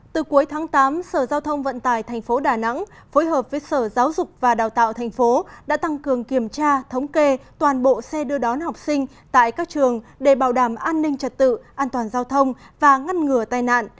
từ cuối tháng tám sở giao thông vận tải tp đà nẵng phối hợp với sở giáo dục và đào tạo tp đã tăng cường kiểm tra thống kê toàn bộ xe đưa đón học sinh tại các trường để bảo đảm an ninh trật tự an toàn giao thông và ngăn ngừa tai nạn